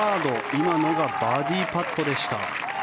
今のがバーディーパットでした。